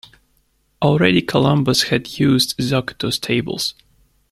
Already Columbus had used Zacuto's tables.